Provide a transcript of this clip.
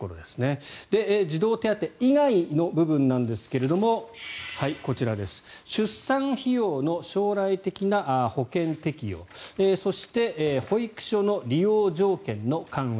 児童手当以外の部分なんですがこちら出産費用の将来的な保険適用そして、保育所の利用条件の緩和